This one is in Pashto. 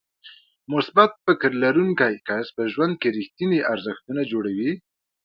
مثبت فکر لرونکی کس په ژوند کې رېښتيني ارزښتونه جوړوي.